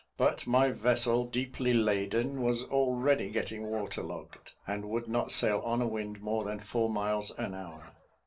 But my vessel, deeply laden, was already getting waterlogged, and would not sail on a wind more than four miles an hour.